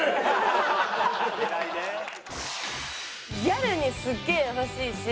ギャルにすげえ優しいし。